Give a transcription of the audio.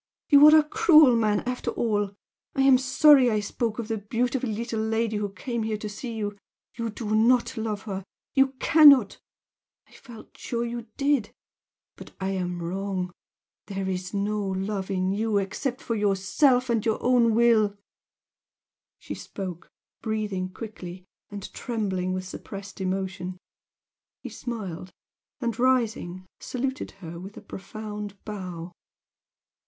You are a cruel man after all! I am sorry I spoke of the beautiful little lady who came here to see you you do not love her you cannot! I felt sure you did but I am wrong! there is no love in you except for yourself and your own will!" She spoke, breathing quickly, and trembling with suppressed emotion. He smiled, and, rising, saluted her with a profound bow.